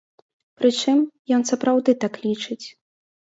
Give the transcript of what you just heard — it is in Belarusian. Прычым, ён сапраўды так лічыць.